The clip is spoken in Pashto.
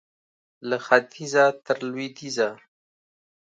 له ختیځه تر لوېدیځه